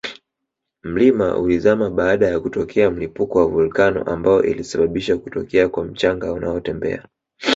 mlima ulizama baada ya kutokea mlipuko wa volcano ambayo ilisabisha kutokea kwa mchanga unaotembea